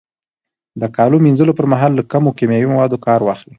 د کالو مینځلو پر مهال له کمو کیمیاوي موادو کار واخلئ.